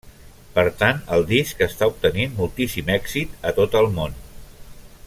Per tant, el disc està obtenint moltíssim èxit a tot el món.